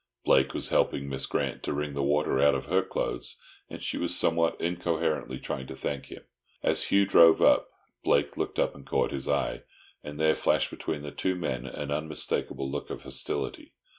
Blake was helping Miss Grant to wring the water out of her clothes, and she was somewhat incoherently trying to thank him. As Hugh drove up, Blake looked up and caught his eye, and there flashed between the two men an unmistakable look of hostility.